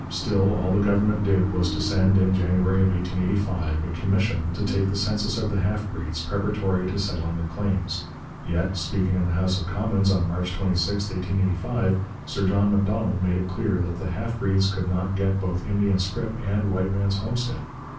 Still all the Government did was to send, in January 1885, a commission to take the census of the half breeds, preparatory to settling their claims. Yet, speaking in the House of Commons, on March 26, 1885, Sir John Macdonald made it clear that the half breeds could not get both Indian scrip and white man's homestead.